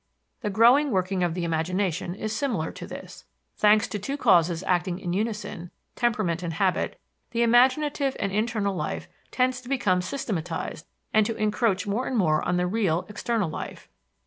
The growing working of the imagination is similar to this. Thanks to two causes acting in unison, temperament and habit, the imaginative and internal life tends to become systematized and to encroach more and more on the real, external life.